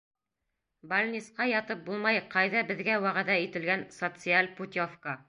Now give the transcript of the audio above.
— Бальнисҡа ятып булмай, ҡайҙа беҙгә вәғәҙә ителгән социаль путевка?